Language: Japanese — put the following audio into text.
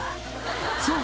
「そう！